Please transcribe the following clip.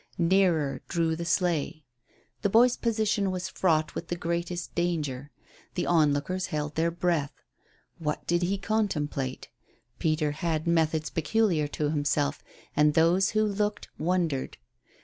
Nearer drew the sleigh. The boy's position was fraught with the greatest danger. The onlookers held their breath. What did he contemplate? Peter had methods peculiar to himself, and those who looked wondered.